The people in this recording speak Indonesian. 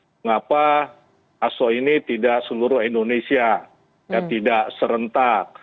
kenapa aso ini tidak seluruh indonesia ya tidak serentak